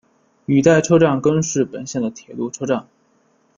羽带车站根室本线的铁路车站。